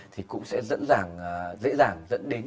thì cũng sẽ dễ dàng dẫn đến